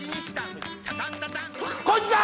こいつだ！